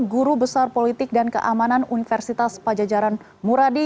guru besar politik dan keamanan universitas pajajaran muradi